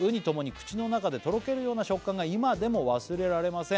「口の中でとろけるような食感が今でも忘れられません」